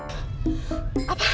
gak gak gak